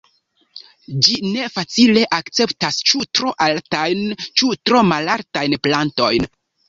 Ĝi ne facile akceptas ĉu tro altajn ĉu tro malaltajn plantojn.